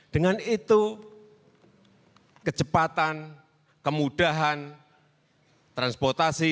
dengan itu kecepatan kemudahan transportasi